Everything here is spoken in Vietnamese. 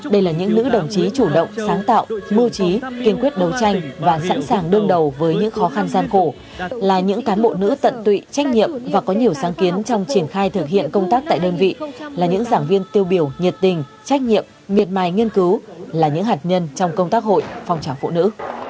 đây là những nữ đồng chí chủ động sáng tạo mưu trí kiên quyết đấu tranh và sẵn sàng đương đầu với những khó khăn gian khổ là những cán bộ nữ tận tụy trách nhiệm và có nhiều sáng kiến trong triển khai thực hiện công tác tại đơn vị là những giảng viên tiêu biểu nhiệt tình trách nhiệm miệt mài nghiên cứu là những hạt nhân trong công tác hội phòng trào phụ nữ